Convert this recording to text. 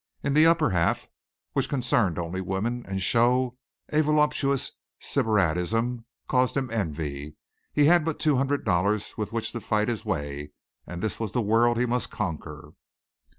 In the upper half, which concerned only women and show a voluptuous sybaritism caused him envy. He had but two hundred dollars with which to fight his way, and this was the world he must conquer.